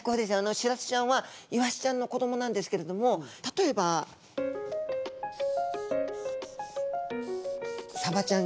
シラスちゃんはイワシちゃんの子どもなんですけれども例えばサバちゃんがいるとしますね。